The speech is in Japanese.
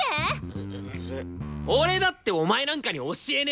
うぐ俺だってお前なんかに教えねよ！